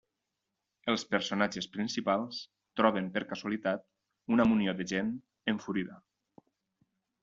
Els personatges principals troben per casualitat una munió de gent enfurida.